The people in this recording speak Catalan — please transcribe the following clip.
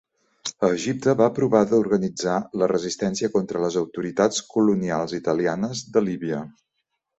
A Egipte, va provar d'organitzar la resistència contra les autoritats colonials italianes de Líbia.